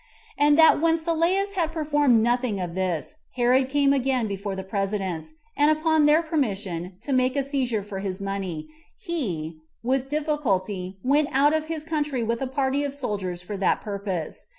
And that when Sylleus had performed nothing of this, Herod came again before the presidents; and upon their permission to make a seizure for his money, he, with difficulty, went out of his country with a party of soldiers for that purpose.